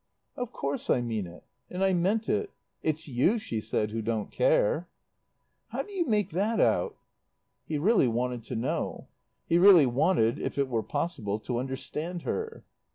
"Of course I mean it. And I meant it. It's you," she said, "who don't care." "How do you make that out?" He really wanted to know. He really wanted, if it were possible, to understand her.